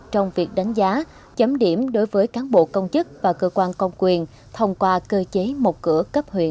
trong việc đánh giá chấm điểm đối với cán bộ công chức và cơ quan công quyền thông qua cơ chế một cửa cấp huyện